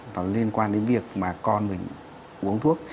và liên quan đến việc mà con mình uống thuốc